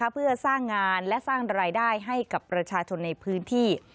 เพื่อสร้างงานและสร้างรายได้ให้กับประชาชนในพื้นที่